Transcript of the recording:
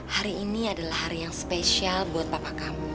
hari ini adalah hari yang spesial buat bapak kamu